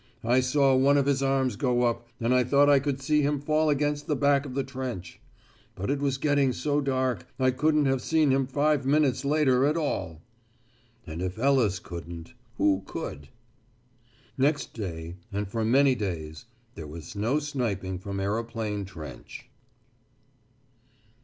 I saw one of his arms go up, and I thought I could see him fall against the back of the trench. But it was getting so dark, I couldn't have seen him five minutes later at all." And if Ellis couldn't, who could? Next day, and for many days, there was no sniping from Aeroplane Trench.